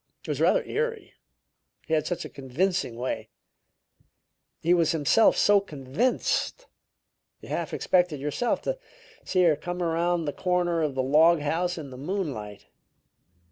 It was rather eerie. He had such a convincing way; he was himself so convinced. You half expected yourself to see her come around the corner of the log house in the moonlight.